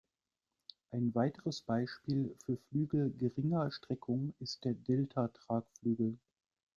Ein weiteres Beispiel für Flügel geringer Streckung ist der Delta-Tragflügel.